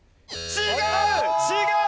違う！